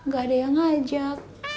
gak ada yang ngajak